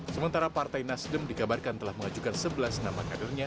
sementara partai nasdem dikabarkan telah mengajukan sebelas nama kadernya